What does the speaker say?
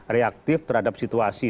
reaktif terhadap situasi